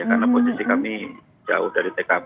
karena posisi kami jauh dari pkp